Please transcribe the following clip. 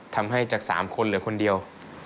ทำให้จาก๓คนเหลือคนเดียว